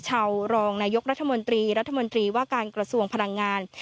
ชาวรองนายกรัฐมนตรีรัฐมนตรีว่าการกระทรวงพลังงาน